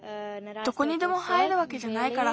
どこにでも生えるわけじゃないから。